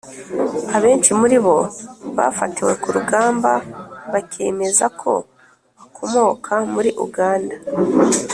abenshi muri bo bafatiwe ku rugamba bakemeza ko bakomoka muri uganda.